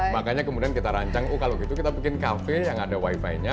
makanya kemudian kita rancang oh kalau gitu kita bikin cafe yang ada wifi nya